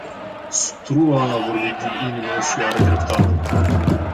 Struan a vorbit din inimă și are dreptate.